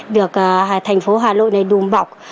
được thành phố hà nội này đùm bọc